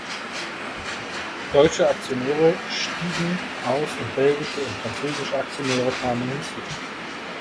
Deutsche Aktionäre stiegen aus und belgische und französische Aktionäre kamen hinzu.